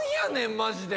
マジで。